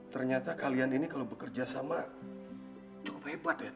ternyata kalian ini kalau bekerja sama cukup hebat ya